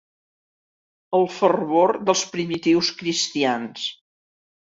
El fervor dels primitius cristians.